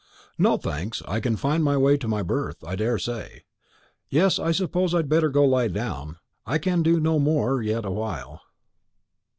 "No, thanks. I can find my way to my berth, I daresay. Yes, I suppose I had better go and lie down. I can do no more yet awhile."